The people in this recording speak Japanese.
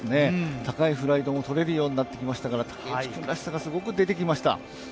高いフライトもとれるようになってきましたから竹内君らしさがすごく出てきました。